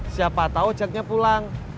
siapa tau ojaknya pulang